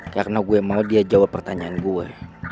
karena gue mau dia jawab pertanyaan gue